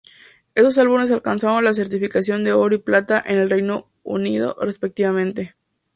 Estos álbumes alcanzaron las certificaciones de oro y plata en el Reino Unido, respectivamente.